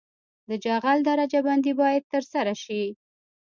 د جغل درجه بندي باید ترسره شي